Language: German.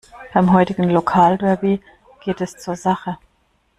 Beim heutigen Lokalderby geht es zur Sache.